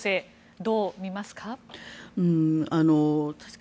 どう見ますか。